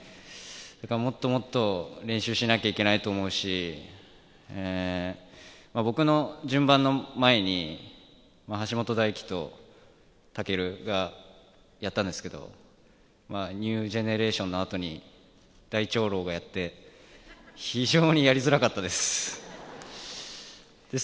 もっともっと練習しなきゃいけないと思うし、僕の順番の前に橋本大輝と丈琉がやったんですけど、ニュージェネレーションの後に大長老がやって、非常にやりづらかったです。